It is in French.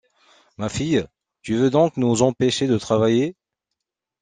Ma fille, tu veux donc nous empêcher de travailler?